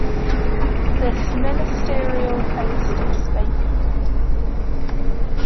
This ministerial post is vacant.